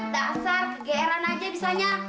dasar kegeran aja bisanya